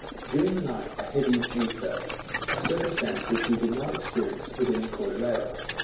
During the night a heavy dew fell, a circumstance which we did not experience within the Cordillera.